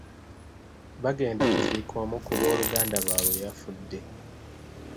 Bagenda kuziika omu ku booluganda lwabwe eyafudde.